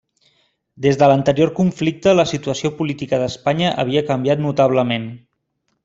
Des de l'anterior conflicte la situació política d'Espanya havia canviat notablement.